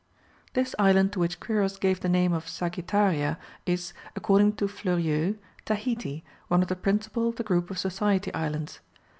This island to which Quiros gave the name of Sagittaria, is, according to Fleurieu, Tahiti, one of the principal of the group of Society Islands.